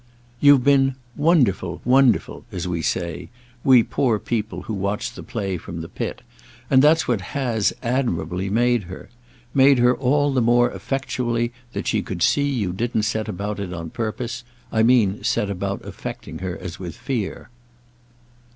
"You've been 'wonderful, wonderful,' as we say—we poor people who watch the play from the pit; and that's what has, admirably, made her. Made her all the more effectually that she could see you didn't set about it on purpose—I mean set about affecting her as with fear."